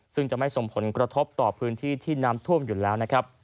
ซึ่งจะไม่ส่งผลกระทบต่อพื้นที่ที่น้ำท่วมอยู่แล้วนะครับ